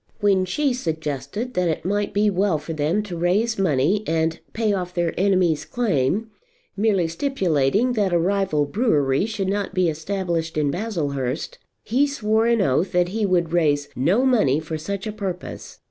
When she suggested that it might be well for them to raise money and pay off their enemy's claim, merely stipulating that a rival brewery should not be established in Baslehurst, he swore an oath that he would raise no money for such a purpose.